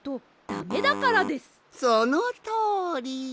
そのとおり。